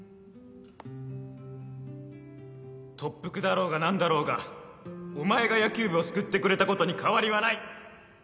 「特服だろうが何だろうがお前が野球部を救ってくれたことに変わりはない！」